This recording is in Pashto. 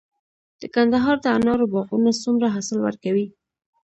د کندهار د انارو باغونه څومره حاصل ورکوي؟